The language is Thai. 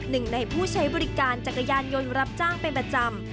หนึ่งในผู้ใช้บริการจักรยานยนต์รับจ้างเป็นประจำ